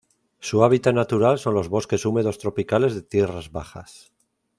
Su hábitat natural son los bosques húmedos tropicales de tierras bajas